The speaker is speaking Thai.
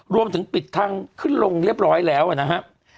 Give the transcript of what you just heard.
รวมถึงปิดทางขึ้นลงเรียบร้อยแล้วนะครับ